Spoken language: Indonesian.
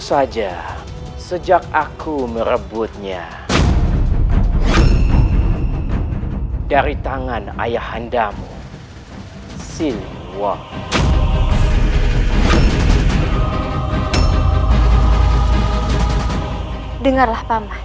yang telah kamu rebut dengan cara licikmu itu paman